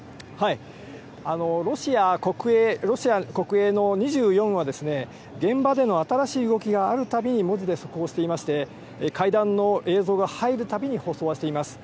ロシア国営の２４はですね、現場での新しい動きがあるたびに、文字で速報していまして、会談の映像が入るたびに放送はしています。